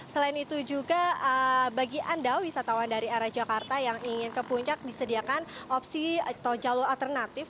selain itu juga bagi anda wisatawan dari arah jakarta yang ingin ke puncak disediakan opsi atau jalur alternatif